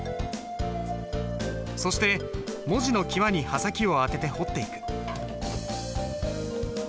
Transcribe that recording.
そして文字の際に刃先を当てて彫っていく。